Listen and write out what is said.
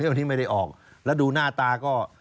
แล้วดูหน้าตาก็